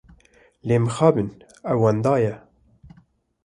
Lê mixabin ew wenda ye.